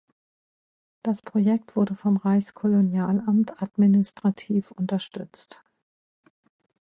Das Projekt wurde vom Reichskolonialamt administrativ unterstützt.